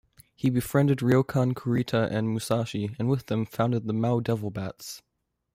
He befriended Ryokan Kurita and Musashi, and with them, founded the Mao Devil Bats.